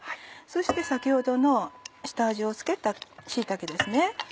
そして先ほどの下味を付けた椎茸です。